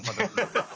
ハハハハ！